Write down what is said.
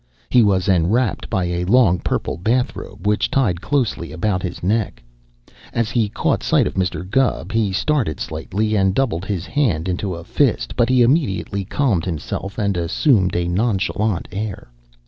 He was enwrapped by a long purple bathrobe which tied closely about his neck. As he caught sight of Mr. Gubb, he started slightly and doubled his hand into a fist, but he immediately calmed himself and assumed a nonchalant air.